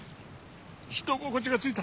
人心地がついた。